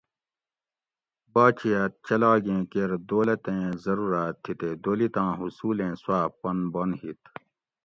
باچہت چلاگیں کیر دولتیں ضرورات تھی تے دولتاں حصولیں سوآ پن بن ہیت